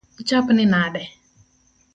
Ichapni nade?